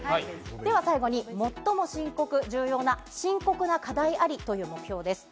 では最後に、最も深刻、重要な深刻な課題ありという目標です。